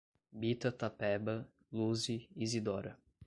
Bita Tapeba, Luze, Izidora